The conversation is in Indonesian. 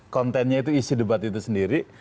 kontennya itu isi debat itu sendiri